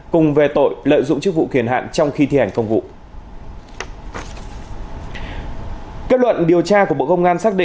cùng về tội lợi dụng chức vụ kiền hạn trong khi thi hành công vụ